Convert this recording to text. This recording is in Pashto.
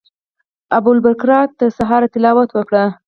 ابوالبرکات تر سهاره تلاوت وکړ.